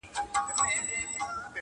د هجران تبي نیولی ستا له غمه مړ به سمه-